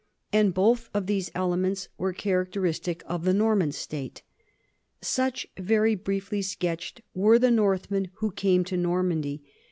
And both of these elements are character istic of the Norman state. Such, very briefly sketched, were the Northmen who came to Normandy.